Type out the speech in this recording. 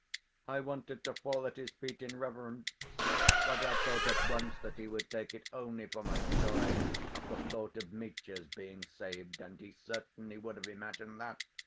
I wanted to fall at his feet in reverence, but I thought at once that he would take it only for my joy at the thought of Mitya's being saved (and he certainly would have imagined that!)